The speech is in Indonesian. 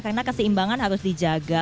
karena keseimbangan harus dijaga